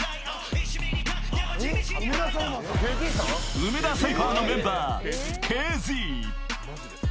梅田サイファーのメンバー・ＫＺ。